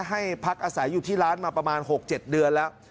ให้พักอาศัยอยู่ที่ร้านมาประมาณ๖๗เดือนแล้ว